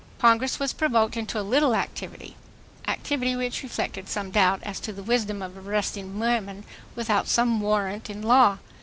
Congress was provoked into a little activity; activity which reflected some doubt as to the wisdom of arresting women without some warrant in law.